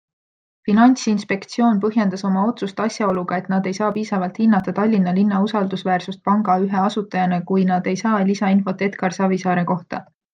Finantsinspektsioon põhjendas oma otsust asjaoluga, et nad ei saa piisavalt hinnata Tallinna linna usaldusväärsust panga ühe asutajana, kui nad ei saa lisainfot Egar Savisaare kohta.